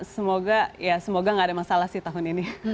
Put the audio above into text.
semoga ya semoga gak ada masalah sih tahun ini